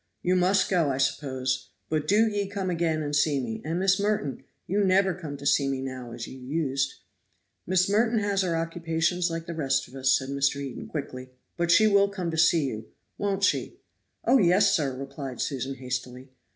You must go, I suppose; but do ye come again and see me. And, Miss Merton, you never come to see me now, as you used." "Miss Merton has her occupations like the rest of us," said Mr. Eden quickly; "but she will come to see you won't she?" "Oh, yes, sir!" replied Susan, hastily.